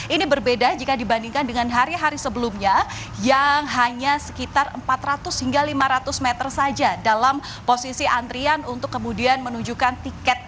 ini berbeda jika dibandingkan dengan hari hari sebelumnya yang hanya sekitar empat ratus hingga lima ratus meter saja dalam posisi antrian untuk kemudian menunjukkan tiket